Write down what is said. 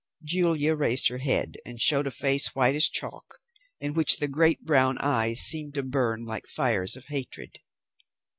Julia raised her head and showed a face, white as chalk, in which the great brown eyes seemed to burn like fires of hatred.